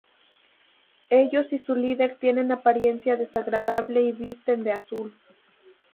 Ellos y su líder tienen apariencia desagradable y visten de azul.